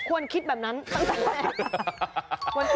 คิดแบบนั้นตั้งแต่แรก